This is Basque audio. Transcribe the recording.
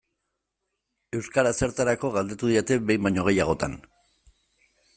Euskara zertarako galdetu didate behin baino gehiagotan.